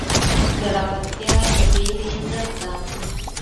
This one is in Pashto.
زړورتیا د وېرې ضد ده.